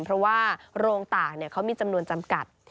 เพราะว่าโรงต่างเขามีจำนวนจำกัด